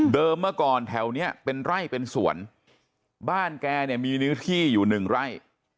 เมื่อก่อนแถวเนี้ยเป็นไร่เป็นสวนบ้านแกเนี่ยมีเนื้อที่อยู่หนึ่งไร่